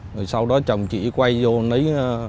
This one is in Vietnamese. rồi sau đó chồng chị quay vô nấy